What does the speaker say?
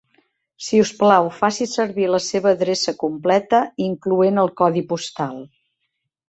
Si us plau, faci servir la seva adreça completa, incloent el codi postal.